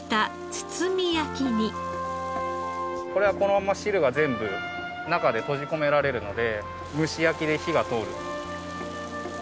これはこのまま汁が全部中で閉じ込められるので蒸し焼きで火が通る。